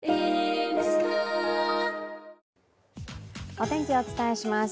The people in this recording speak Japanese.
お天気、お伝えします。